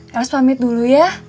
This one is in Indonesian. eros pamit dulu ya